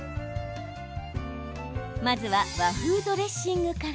まずは和風ドレッシングから。